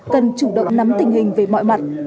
cần chủ động nắm tình hình về mọi mặt